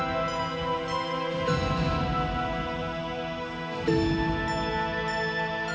kekacauan itu peninggalan kamu